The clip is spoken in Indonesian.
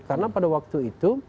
karena pada waktu itu